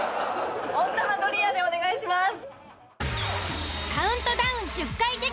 温玉ドリアでお願いします。